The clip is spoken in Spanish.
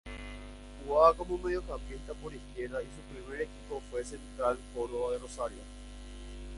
Jugaba como mediocampista por izquierda y su primer equipo fue Central Córdoba de Rosario.